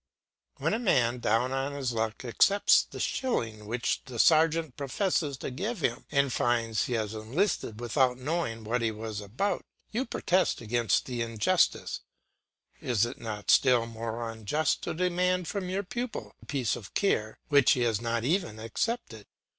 When a man down on his luck accepts the shilling which the sergeant professes to give him, and finds he has enlisted without knowing what he was about, you protest against the injustice; is it not still more unjust to demand from your pupil the price of care which he has not even accepted!